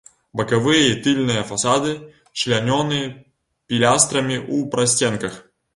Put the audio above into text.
Бакавыя і тыльныя фасады члянёны пілястрамі ў прасценках.